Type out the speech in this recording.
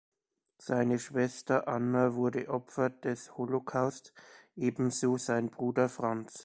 Seine Schwester Anna wurde Opfer des Holocaust, ebenso sein Bruder Franz.